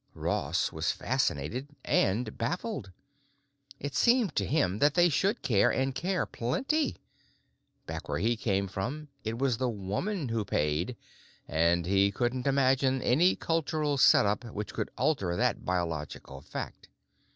Ross was fascinated and baffled. It seemed to him that they should care and care plenty. Back where he came from, it was the woman who paid and he couldn't imagine any cultural setup which could alter that biological fact.